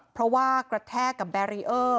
เพราะว่ากระแทกกับแบรีเออร์